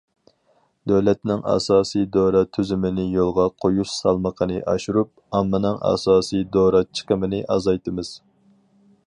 دۆلەتنىڭ ئاساسىي دورا تۈزۈمىنى يولغا قويۇش سالمىقىنى ئاشۇرۇپ، ئاممىنىڭ ئاساسىي دورا چىقىمىنى ئازايتىمىز.